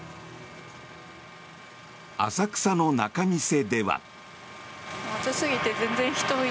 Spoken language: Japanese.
浅草の仲見世では。